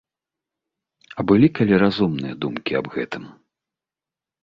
А былі калі разумныя думкі аб гэтым?!.